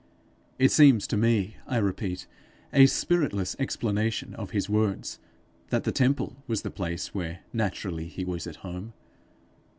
It seems to me, I repeat, a spiritless explanation of his words that the temple was the place where naturally he was at home.